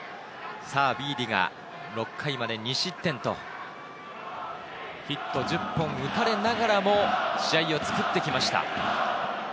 さぁ、ビーディが６回まで２失点と、ヒット１０本打たれながらも、試合を作ってきました。